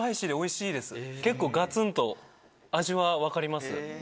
結構ガツンと味は分かります。